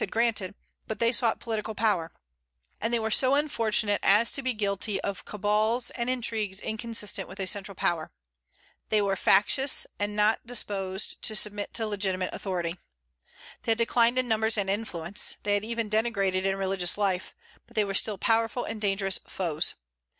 had granted, but they sought political power; and they were so unfortunate as to be guilty of cabals and intrigues inconsistent with a central power. They were factious, and were not disposed to submit to legitimate authority. They had declined in numbers and influence; they had even degenerated in religious life; but they were still powerful and dangerous foes.